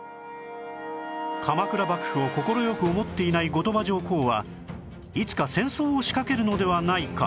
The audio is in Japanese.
鎌倉幕府を快く思っていない後鳥羽上皇はいつか戦争を仕掛けるのではないか